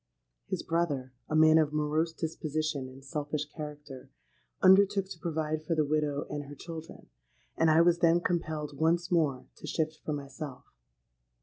His brother—a man of morose disposition and selfish character—undertook to provide for the widow and her children; and I was then compelled once more to shift for myself.